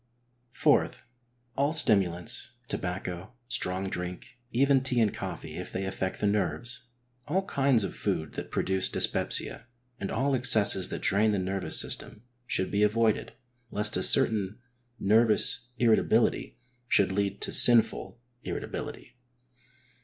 (4.) All stimulants, tobacco, strong drink, even tea and coffee, if they affect the nerves, all kinds of food that produce dyspepsia, and all excesses that drain the nervous system, should be avoided, lest a certain nervous irritability should lead to sinful irritability.